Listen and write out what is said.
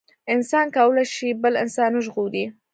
انسان کولي شي بل انسان وژغوري